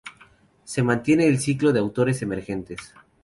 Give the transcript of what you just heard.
Se mantiene el ciclo de autores emergentes.